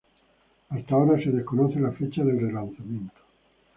Hasta ahora se desconoce la fecha del relanzamiento.